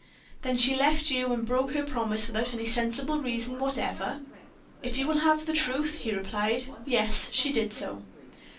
"Then she left you and broke her promise without any sensible reason whatever?" "If you will have the truth," he replied, "yes, she did so."